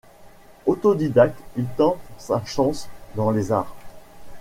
Autodidacte, il tente sa chance dans les arts.